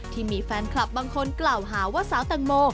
ที่มีแฟนคลับบางคนกล่าวหาว่าสาวแตงโม